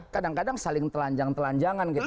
kadang kadang saling telanjang telanjangan gitu